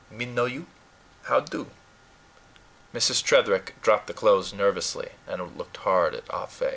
Me know you. How do?" Mrs. Tretherick dropped the clothes nervously, and looked hard at Ah Fe.